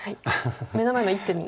目の前の一手に。